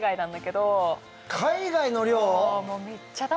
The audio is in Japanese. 海外の寮？